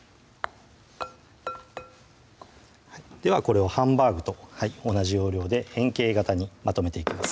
ではこれをハンバーグと同じ要領で円形型にまとめていきます